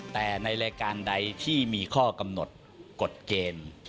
แต่ในรายการใดที่มีข้อกำหนดกฎเกณฑ์